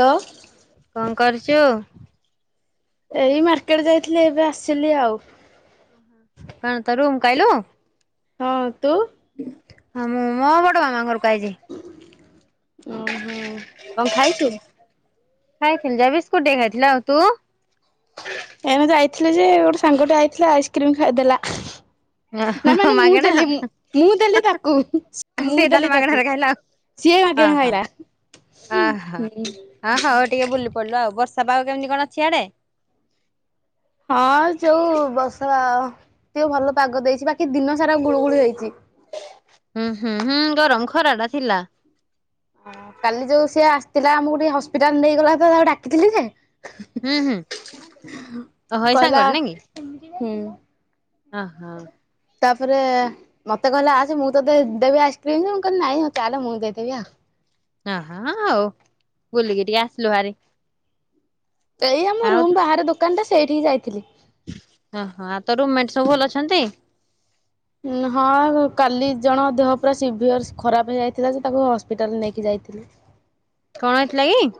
Hello. କଣ କରୁଛୁ? ଏଇ ମାର୍କେଟ ଯାଇଥିଲି ଏବେ ଆସିଲି ଆଉ। ହଁ ତୋ ରୁମ କୁ ଆସିଲୁ? ହଁ ତୁ? ହଁ ମୁଁ ମୋ ବଡ ମାମା ଘରକୁ ଆଇଚି। ଓ ହୋଁ କଣ ଖାଇଛୁ? ଖାଇଥିଲି ଯା ବିସ୍କୁଟ ଖାଇଥିଲି ଆଉ ତୁ? ଏମେ ଯାଇଥିଲୁ ଯେ ଗୋଟେ ସାଙ୍ଗ ଟେ ଆଇଥିଲା ଆଇସ୍କ୍ରିମ ଖାଇଦେଲା। ନା ମାନେ ମୁଁ ମାଗେଣା ଦେଲି ମୁଁ ଦେଲି ତାକୁ ମୁଁ ସିଏ ତାହେଲେ ଦେଲି ତାକୁ। ମାଗଣାରେ ସିଏ ମାଗେଣା ଖାଇଲା। ଓହୋ ହୁଁ ହ ହଉ ଟିକେ ବୁଲି ପଡିଲୁ ଆଉ ବର୍ଷା ପାଗ କେମିତି କଣ ଅଛି ଇଆଡେ? ହଁ ଯୋଉ ବର୍ସା ଟେ ଭଲ ପାଗ ଦେଇଛି ବାକି ଦିନ ସାରା ଗୁଳୁଗୁଳି ହେଇଚି। ହୁଁ ହୁଁ ହୁଁ ଗରମ ଖରା ଟା ଥିଲା। କାଲି ଯୋଉ ସିଏ ଆସିଥିଲା ଆମକୁ ଟିକେ ହସ୍ପିଟାଲ ନେଇଗଲା ତ ତାକୁ ଡାକିଥିଲି ଯେ। ହୁଁ ହୁଁ ତହରି କହିଲା ସାଙ୍ଗର ନା କି? ହୁଁ ଓହୋ ତାପରେ ମତେ କହିଲା ଆସ ସେ ମୁଁ ତତ ଦେବି ଆଇସ୍କ୍ରିମ ମୁଁ କହିଲି ନାଇଁ ତାହେଲେ ମୁଁ ଦେଇଦବି ଆଉ। ଅହଁ ହଉ ବୁଲିକି ଟିକେ ଆସିଲୁ ଭାରି। ଏଇ ଆମ ଆଉ ରୁମ୍ ବାହାରେ ଦୋକାନ ଟା ସେଇଠିକି ଯାଇଥିଲି। ଓହୋ ଆଉ ତୋ ରୁମମେଟ ସବୁ ଭଲ ଅଛନ୍ତି? ହଁ କାଲି ଜଣ ଦେହ ପୁରା ସିଭିଅର୍ ଖରାପ ହେଇଯାଇଥିଲା ଯେ ତାକୁ ହସ୍ପିଟାଲରେ ନେଇକି ଯାଇଥିଲି। କଣ ହେଇଥିଲା କି?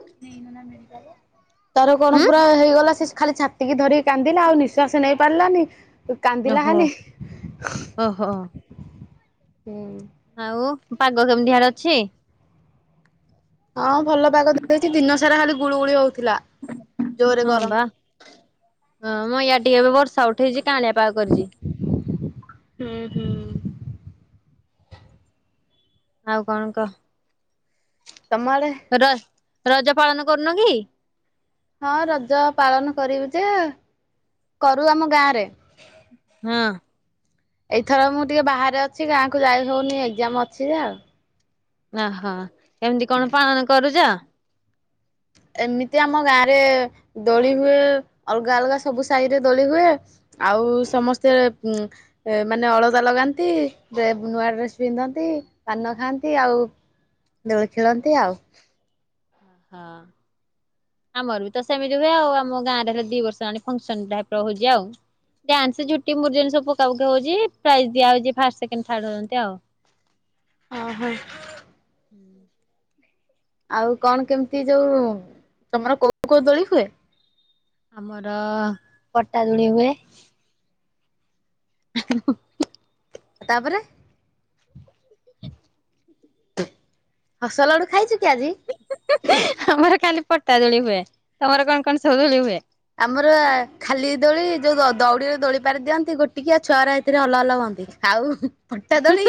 ତାର କଣ ହୁଁ ପୁରା ହେଇଗଲା ସେ ଖାଲି ଛା ତିକି ଧରିକି କାନ୍ଦିଲା ଆଉ ନିଶ୍ୱାସ ନେଇ ପାରିଲାନି। କାନ୍ଦିଲା ଓହୋ ଖାଲି ଓହୋ ହୁଁ। ଆଉ ପାଗ କେମିତି ହିଆଡେ ଅଛି? ହଁ ଭଲ ପାଗ ଦେଇଚି ଦିନ ସାରା ଖାଲି ଗୁଳୁଗୁଳି ହଉଥିଲା। ଜୋରେ ହଁ ଗରମ। ବା। ହଁ ମୁଁ ୟା ଟିକେ ଏବେ ବର୍ଷା ଉଠେଇଚି କାଁଆଳିଆ ପାଗ କରିଚି। ହୁଁ ହୁଁ। ଆଉ କଣ କହ? ତମ ଆଡ଼େ? ର ରଜ ପାଳନ କରୁନ କି? ହଁ ରଜ ପାଳନ କରିବୁ ଯେ କରୁ ଆମ ଗାଁରେ ହୁଁ। ଏଇଥର ମୁଁ ଟିକେ ବାହାରେ ଅଛି ଗାଁକୁ ଯାଇ ହଉନି ଏକଜାମ ଅଛି ଆଉ। ନା ହ କେମିତି କଣ ପାଳନ କରୁଚ? ଏମିତି ଆମ ଗାଁ ରେ ଦୋଳି ହୁଏ ଅଲଗା ଅଲଗା ସବୁ ସାଇରେ ଦୋଳି ହୁଏ। ଆଉ ସମସ୍ତେ ମାନେ ଅଳତା ଲଗାନ୍ତି। ନୂଆ ଡ୍ରେସ୍ ପିନ୍ଧନ୍ତି ପାନ ଖାଆନ୍ତି ଆଉ ଦୋଳିଖେଳନ୍ତି ଆଉ ହଁ। ଆମର ବି ତ ସେମିତି ହୁଏ ଆଉ ଆମ ଗାଁରେ ହେଲେ ଦି ବର୍ଷ ହେଲାଣିଫଙ୍କସନ୍ ଟାଇପି ହେଉଚି ଆଉ। ଡ୍ୟାନ୍ସ ଝେଟି ମୁରୁଜ ଏମିତି ସବୁ ପକା ପୁକି ହେଉଚି ପ୍ରାଇଜ ଦିଆ ହେଉଚି ଯିଏ ଫାର୍ଷ୍ଟ ସେକେଣ୍ଡ ଥାର୍ଡ ହୋଉଚନ୍ତି ଆଉ। ଅ ହ। ହୁଁ ଆଉ କଣ କେମିତି ଯୋଉ ତମର କୋଉ କୋଉ ଦୋଳି ହୁଏ? ଆମର ପଟା ଦୋଳି ହୁଏ। ହ ଆ ତାପରେ? ଆ [unintelligible] ହସ ଲଡ଼ୁ ଖାଇଚୁ କି ଆଜି? ଆମର ଖାଲି ପଟା ଦୋଳି ହୁଏ ତମର କଣ କଣ ସବୁ ଦୋଳି ହୁଏ? ଆମର ଖାଲି ଦୋଳି ଯୋଉ ଦଉଡିରେ ଦୋଳି ପାରି ଦିଅନ୍ତି ଗୋଟିକିିଆ ଛୁଆଗୁରା ହେଇଥିରେ ହଲହଲ ହୁଅନ୍ତି। ଆଉ ପଟା ଦୋଳି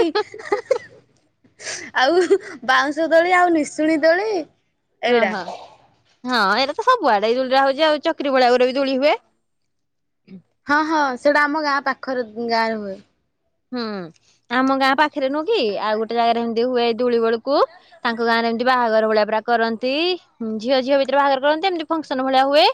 ଆଉ ବାଉଁଶ ଦୋଳି ଆଉ ନିଶୁଣୀ ଦୋଳି ହଁ ଏଇଗୁଡା। ହଁ ହଁ ଏରାତ ସବୁଆଡେ ଦୋଳିଟା ହଉଛି ଆଉ ଚକରୀ ଭଳିଆ ଗୁରେବି ଦୋଳି ହୁଏ ହଁ ହଁ ସେଇଟା ଆମ ଗାଁ ପାଖରେ ଗାଁ ରେ ହୁଏ। ହୁଁ ଆମ ଗାଁ ପାଖରେ ନୁହ କି ଆଉ ଗୋଟେ ଜାଗାରେ ଏମତି ହୁଏ ଦୋଳିବେଳକୁ ତାଙ୍କ ଗାଁ ରେ ଏମିତି ବାହାଘର ଭଳିଆ ପୁରା କରନ୍ତି ଝିଅ ଝିଅ ଭିତରେ ବାହାଘର କରନ୍ତି ଏମିତି ଫଙ୍କସନ ଭଳିଆ ହୁଏ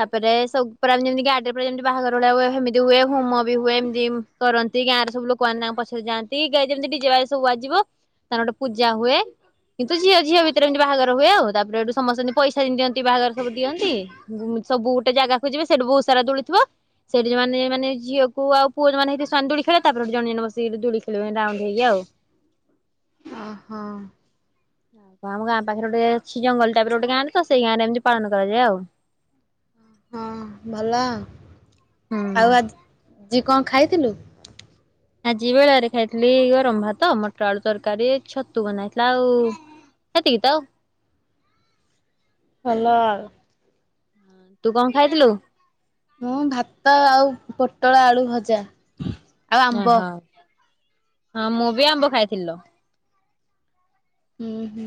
ତାପରେ ସବୁ ଯେମିତି ଗାଡି ଯେମତି ବାହାଘର ଭଳିଆ ହୁଏ ସେମିତି ହୁଏ ହୋମ ବି ହୁଏ ଏମିତି କରନ୍ତି ଗାଁରେ ସବୁ ଲୋକମାନେ ତାଙ୍କ ପାଖକୁଯାନ୍ତିା ଯେମତି ଡିଜେସବୁ ବାଜିବ ତାଙ୍କରଗୋଟେ ପୂଜା ହୁଏ କିନ୍ତୁ ଝିଅ ଝିଅ ଭିତରେଏମିତି ବାହାଘର ହୁଏ ତାପରେ ସମସ୍ତ ଏହାଠୁ ପଇସା ଦିଅନ୍ତି ଏମିତି ବାହାଘର ସବୁ ଦିଅନ୍ତି ସବୁ ଗୋଟେ ଜାଗାକୁ ଯିବେ ସେଇଠି ବହୁତ ସାରା ଦୋଳିଥିବ- ସେଠି ମାନ ମାନେ ଝିଅକୁ ଆଉ ପୁଅ ଯେଉଁମାନେ ହେଇ ଥିବେ ସାନ୍ଦୁଳି ଖେଳାତାପରେ ଜଣ ଜଣବସିକି ଦୋଳିଖେଳିବେ ରାଉଣ୍ଡ ହେଇକିଆଉ ହଁ ହଁ। ଆମ ଗାଁ ପାଖରେ ଗୋଟ ଅଛି ଜଙ୍ଗଲ ଟାଇପିର ଗୋଟେଗାଁ ତ ସେଇ ଗାଁରେଏମିତି ପାଳନ କରାଯାଏ ଆଉ ହଁ ଭଲ ଆଉ ହୁଁ। ଆଜି କଣ ଖାଇଥିଲୁ? ଆଜି ବେଳାରେ ଖାଇଥିଲି ଗରମ ଭାତ ମଟର ଆଳୁ ତରକାରୀ ଛତୁ ବନା ହେଉଥିଲା ଆଉ ଏ ତିକି ତ। ଭଲ ଆଉ। ତୁ କଣ ଖାଇଥିଲୁ? ମୁଁ ଭାତ ଆଉ ପୋଟଳ ଆଳୁ ଭଜା ଆଉ ଆମ୍ବ। ଓହୋ ହଁ ମୁଁ ବି ଆମ୍ବ ଖାଇଥିଲଲୋ ହୁଁ ହୁଁ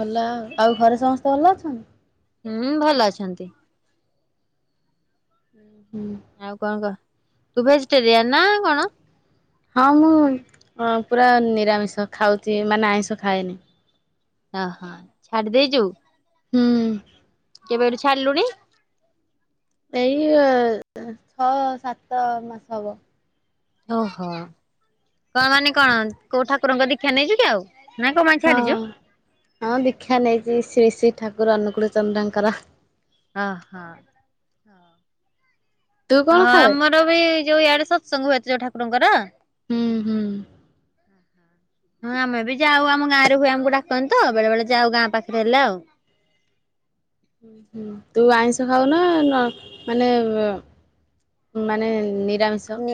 ଭଲ ଆଉ ଘରେ ସମସ୍ତେ ଭଲ ଅଛନ୍ତି? ହୁଁ ଭଲ ଅଛନ୍ତି ହୁଁ ହୁଁ [unintelligible] ଆଉ କଣ କହ ତୁ ଭେଜିଟେରିଆନ ନା କଣ? ହଁ ମୁଁ ପୁରା ନିରାମିଷ ଖାଉଛି ମାନେ ଆଇଁଷ ଖାଏନି ଅ ହଁ ଛାଡି ଦେଇଚୁ। ହୁଁ। ତୁ କେବେ ଛାଡିଲୁଣି। ଏଇ ଛଅ ସାତ ମାସ ହବ। ଓହୋ କଣ ମାନେ କଣ କୋଉ ଠାକୁରଙ୍କ ଦୀକ୍ଷା ନେଇଚୁ କି ଆଉ। ନା କଣ ପାଇଁ ହଁ ଛାଡିଛୁ ହଁ ଦୀକ୍ଷା ନେଇଛି ଶ୍ରୀ ଶ୍ରୀ ଠାକୁର ଅନୁଗୂଳ ଚନ୍ଦ୍ରଙ୍କର। ଅ ହଁ। ହଁ। ତୁ କଣ ହଁ ଖାଉ? ଆମର ବି ଯୋଉ ଇଆଡେ ସତସଙ୍ଗହୁଏ ଯୋଉ ଠାକୁରଙ୍କର। ହୁଁ ହୁଁ। ହଁ ଆମେ ବି ଯାଉ ଆମ ଗାଁ ରେ ହୁଏ ଆମକୁ ଡାକନ୍ତି ତ ବେଳେ ବେଳେ ଯାଉ ଗାଁ ପାଖରେ ହେଲେ ଆଉ। ହଁ ତୁ ଆଇଁଷ ଖାଉ ନା ନ ମାନେ ମାନେ ନିରାମିଷ। ନି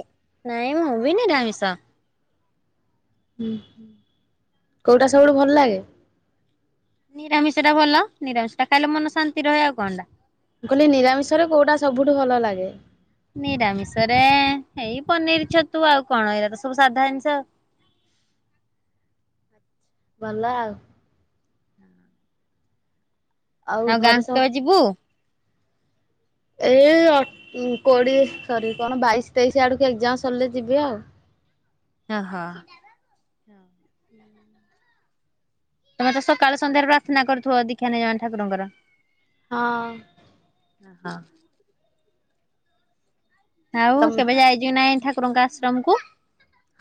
ନାଇଁ ମୁଁ ବିି ନିରାମିିସ। ହୁଁ କୋଉଟା ସବୁଠୁ ଭଲ ଲାଗେ? ନିରାମିଷ ଟା ଭଲ ନିରାମିଷ ଟା ଖାଇଲେ ମନ ଶାନ୍ତି ରହେ ଆଉ କଣଟା। ମୁଁ କହିଲି ନିରାମିଷରେ କଉଟା ସବୁଠୁ ଭଲ ଲାଗେ? ନିରାମିଷ ରେ ଏଇ ପନିର ଛତୁ ଆଉ କଣ ଏଇରା ତ ସବୁ ସାଧା ଜିନିଷ ଆଉ। ଭଲ ଆଉ। ହୁଁ ଆଉ ଘରେ ଗାଁକୁ ସବୁ କେବେ ଯିବୁ? ଏଇ ଅ- କୋଡିଏ ସରି କଣ ବାଇଶି ତେଇଶି ଆଡକୁ ଏକ୍ଜାମ ସରିଲେ ଯିବି ଆଉ। ଓ -ହୋ। ହୁଁ ତମେ ତ ସକାଳେ ସନ୍ଧ୍ୟାରେ ପ୍ରାର୍ଥନା କରୁଥିବ ଦୀକ୍ଷା ନେଇଚ ମାନେ ଠାକୁରଙ୍କର। ହଁ। [unintelligible] ଆଉ ତମ କେବେ ଯାଇଚ ନା ନାହିଁ ଠାକୁରଙ୍କ ଆଶ୍ରମକୁ?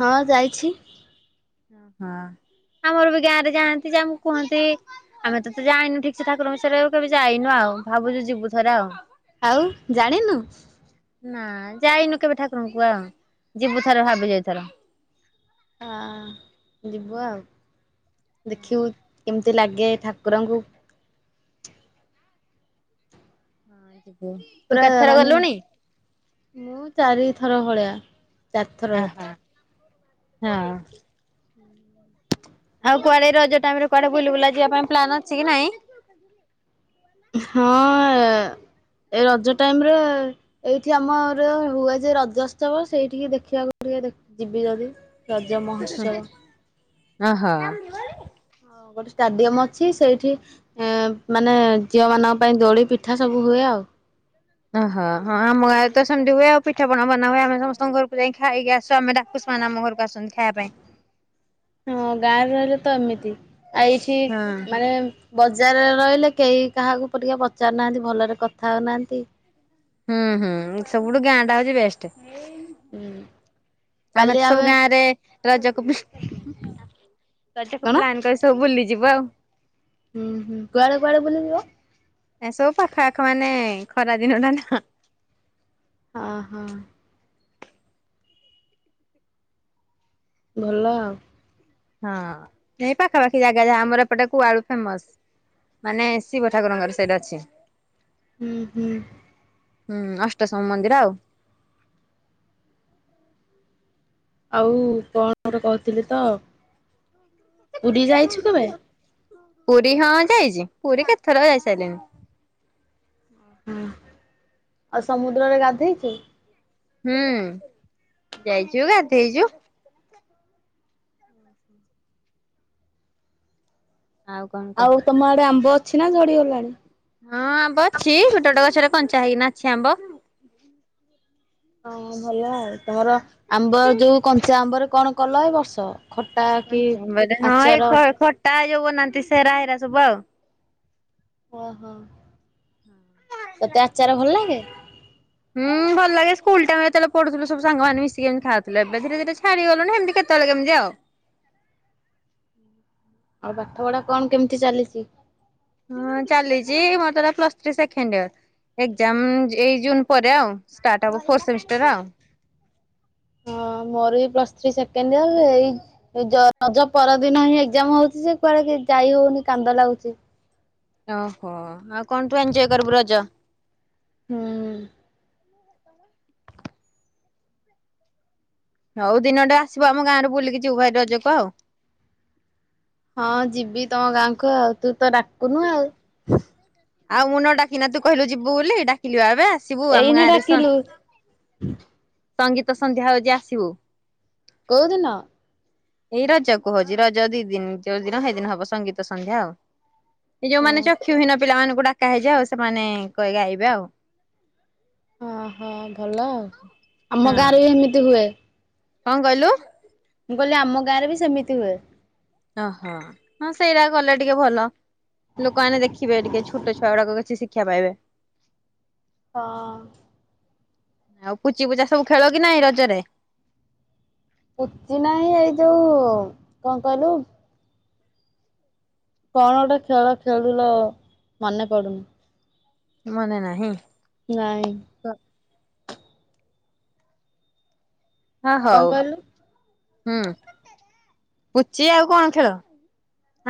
ହଁ ଯାଇଛି। ଓହୋ ଆମର ବି ଗାଁ ରେ ଯାଆନ୍ତି ଯେ ଆମକୁ କୁହନ୍ତି ଆମେ ତ ଏତେ ଜାଣିନୁ ଠିକ୍ ସେ ଠାକୁରଙ୍କ ବିଷୟରେ କେବେ ଯାଇନୁ ଆଉ ଭାବୁଚୁ ଯିବୁ ଥରେ ଆଉ। ଆଉ ଜାଣିନୁ? ନା ଯାଇନୁ କେବେ ଠାକୁରଙ୍କୁ ଆଉ ଯିବୁ ଥରେ ଭାବିଚୁ ଏଇଥର। ହଁ ଯିବୁ ଆଉ ଦେଖିବୁ କେମି ତି ଲାଗେ ଠାକୁରଙ୍କୁ। ହଁ [unintelligible] ତୁ ପୁରା କେତେଥର ମାନେ ଗଲୁଣି? ମୁଁ ଚାରିଥର ଭଳିଆ ଚାରିଥର ବୋଧେ। ଆହା ହଁ। ଆଉ କୁଆଡେ ରଜ ଟାଇମ୍ ରେ କୁଆଡେ ବୁଲି ବୁଲା ଯିବା ପାଇଁ ପ୍ଲାନ୍ ଅଛି କି ନାଇଁ? ହଁ ଏ ରଜ ଟାଇମ୍ ରେ ଏଇଠି ଆମର ହୁଏ ଯେ ରଜତ୍ସୋବ ସେଇଠିକି ଦେଖିବାକୁ ଟିକେ ଯିବି ଯଦି। ରଜ ମହୋତ୍ସବ। ଅ- ହ। ଗୋଟେ ଷ୍ଟାଡିୟମ ଅଛି ସେଇଠି ଏଁ ମାନେ ଝିଅ ମାନଙ୍କ ପାଇଁ ଦୋଳି ପିଠା ସବୁ ହୁଏ ଆଉ। ଓହୋ ହଁ ଆମ ଗାଁ ରେ ତ ସେମିତି ହୁଏ ଆଉ ପିଠାପଣା ବନା ହୁଏ ଆମେ ସମସ୍ତଙ୍କ ଘରକୁ ଯାଇକି ଖାଇକି ଆସୁ ଆମେ ଡା ପୁଷ୍ମା ନା ଆମ ଘରକୁ ଆସନ୍ତି ଖାଇବା ପାଇଁ। ହଁ ଗାଁରେ ରହିଲେ ତ ଏମିତି ଆ ଏଇଠି ହଁ। ମାନେ ବଜାରରେ ରହିଲେ କେହି କାହାକୁ ପ-ଟିକେ ପଚାରୁନାହାନ୍ତି ଭଲରେ କଥା ହଉନାହାଁନ୍ତି। ହୁଁ- ହୁଁ ସବୁଠୁ ଗାଁ ଟା ହଉଚି ବେଷ୍ଟେ। ହୁଁ ଆମେ ତ ସବୁ ଗାଁ ରେ ରଜକୁ ବି- ରଜକୁ କଣ? ପ୍ଲାନ କରିଚୁ ସବୁ ବୁଲିଯିବୁ ଆଉ। ହୁଁ -ହୁଁ କୁଆଡେ କୁଆଡେ ବୁଲିଯିବ? ଏ ସବୁ ପାଖ ଆଖ ମାନେ ଖରା ଦିନ ଟା ନା ଓ ହ। ଭଲ ଆଉ। ହଁ ଏଇ ପାଖାପାଖି ଜାଗା ଯାହା ଆମର ଏପଟେ କୁଆଳୁ ଫେମସ୍। ମାନେ ଶିବ ଠାକୁରଙ୍କର ସେଇଠି ଅଛି। ହୁଁ -ହୁଁ। ହୁଁ ଅଷ୍ଟଶମ୍ଭୁ ମନ୍ଦିର ଆଉ। ଆଉ କଣ ଗୋଟେ କହୁଥିଲି ତ ପୁରୀ ଯାଇଛୁ କେବେ? ପୁରୀ ହଁ ଯାଇଚି ପୁରୀ କେତେଥର ଯାଇସାରିଲିଣି। ହୁଁ ଆଉ ସମୁଦ୍ରରେ ଗାଧେଇଚୁ? ହୁଁ ଯାଇଚୁ ଗାଧେଇଚୁ। [inaudible] ଆଉ କଣ କହ? ତମ ଆଡେ ଆମ୍ବ ଅଛି ନା ଝଡିଗଲାଣି? ହଁ ଆମ୍ବ ଅଛି ଗୋଟେ ଗୋଟେ ଗଛରେ କଞ୍ଚା ହେଇକିନା ଅଛି ଆମ୍ବ। ହଁ ଭଲ ଆଉ ତମର ଆମ୍ବ ଯୋଉ କଞ୍ଚା ଆମ୍ବ ରେ କଣ କଲ ଏ ବର୍ଷ? ଖଟା କି କଞ୍ଚା ଆମ୍ବରେ ହଁ ଏଇ ଆଚାର? ଖ ଖଟା ଏଇ ଯୋଉ ବନାନ୍ତି ସେରା ହେରା ସବୁ ଆଉ ଓହୋ ତତେ ଆଚାର ଭଲ ଲାଗେ? ହୁଁ ଭଲ ଲାଗେ ସ୍କୁଲ ଟାଇମରେ ଯେତେଳେ ପଢୁଥିଲୁ ସବୁ ସାଙ୍ଗମାନେ ମିଶିକି ଏମତି ଖାଉଥିଲୁ ଏବେ ଧୀରେ ଧୀରେ ଛାଡିଗଲାଣି ସେମିତି କେତେ କେତେବେଳେ କେମିତି ଆଉ [inaudible] ଆଉ ପାଠ ପଢା କଣ କେମିତି ଚାଲିଛି? ହଁ ଚାଲିଛି ମୋର ତ ଏଟା plus three second year exam ଜ ଏଇ ଜୁନ ପରେ ଆଉ ଷ୍ଟାର୍ଟ ହବ ଫୋର୍ ସେମିଷ୍ଟର ଆଉ ହଁ ମୋର ବି ପ୍ଲସ ଥ୍ରୀ ସେକେଣ୍ଡ ଇୟର ଏଇ ଏଇ ଜ ରଜ ପରଦିନ ହିଁ ଏକ୍ଜାମ ହଉଛି ଯେ କୁଆଡେ କି ଯାଇ ହଉନି କାନ୍ଦ ଲାଗୁଛି। ଓହୋ ଆଉ କଣ ତୁ ଏଞଜୟ କରିବୁ ରଜ? ହୁଁ। ତମେ? ହଉ ଦିନଟେ ଆସିବ ଆମ ଗାଁରେ ବୁଲିକ ଯିବୁ ଭାରି ରଜକୁ ଆଉ ହଁ ଯିବି ତମ ଗାଁକୁ ଆଉ ତୁ ତ ଡାକୁନୁ ଆଉ ଆଉ ମୁଁ ନ ଡାକିନେ ତୁ କହିଲୁ ଯିବୁ ବୋଲି ଡାକିଲି ବା ଏବେ ଆସିବୁ ଆମ ଗାଁରେ ସ ହୁଁ [unintelligible] ସଙ୍ଗୀତ ସନ୍ଧ୍ୟା ହଉଛି ଆସିବୁ। କୋଉଦିନ? ଏଇ ରଜ କୁ ହଉଛି ରଜ ଦି ଦିନ ଯୋଉ ଦିନ ସେଇ ଦିନ ହବ ସଙ୍ଗୀତ ସନ୍ଧ୍ୟା ଆଉ ଏ ହଁ ଯୋଉମାନେ ଚକ୍ଷୁହୀନ ପିଲାମାନଙ୍କୁ ଡକା ହେଇଛି ଆଉ ସେମାନେ କ ଗାଇବେ ଆଉ ଓହୋ ଭଲ ଆଉ ଆମ ହଁ। ଗାଁରେ ବି ସେମିତି ହୁଏ। କଣ କହିଲୁ? ମୁଁ କହିଲି ଆମ ଗାଁରେ ବି ସେମିତି ହୁଏ। ଓହୋ ହଁ ସେଇଟା କଲେ ଟିକେ ଭଲ ଲୋକମାନେ ଦେଖିବେ ଟିକେ ଛୋଟ ଛୁଆ ଗୁଡାକ କିଛି ଶିକ୍ଷା ପାଇବେ। ହଁ। ଆଉ କୁଚି ପୁଚା ସବୁ ଖେଳ କି ନାହିଁ ରଜରେ? ପୁଚି ନାହିଁ ଏଇ ଯୋଉ କଣ କହିଲୁ କଣ ଗୋଟେ ଖେଳ ଖେଳୁଲୋ ମନେ ପଡୁନି ମନେ ନାହିଁ? ନାଇଁ। ହଁ କଣ ହଉ କହିଲୁ ହୁଁ ପୁଚି ଆଉ କଣ ଖେଳ?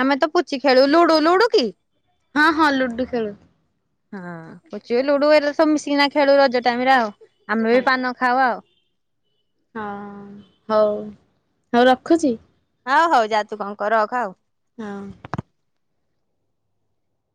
ଆମେ ତ ପୁଚି ଖେଳୁ ଲୁଡୁ ଲୁଡୁ କି? ହଁ ହଁ ଲୁଡୁ ଖେଳୁ। ହଁ ପୁଚି ଲୁଡୁ ଏ ସବୁ ମିଶିକିନା ଖେଳୁ ରଜ ଟାଇମରେ ଆଉ। ଆମେ ହଁ ବି ପାନ ଖାଉ ଆଉ। ହଁ ହଉ ହଉ ରଖୁଛି। ହଁ ହଉ ଯା ତୁ କଣ କର ରଖ ଆଉ। ହଁ।